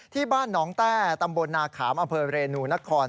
ที่บ้านน้องแต้ตำบลนาขามอำเภอเรนูนคร